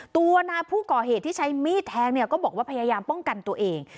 ตัวนายผู้ก่อเหตุที่ใช้มีดแทงเนี่ยก็บอกว่าพยายามป้องกันตัวเอง